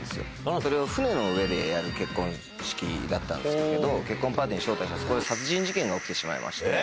それを、船の上でやる結婚式だったんですけど、結婚パーティーに招待して、そこで殺人事件が起きてしまいまして。